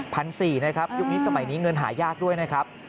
๑๔๐๐บาทณครับยกนี้สมัยนี้เงินหายากด้วยนะครับ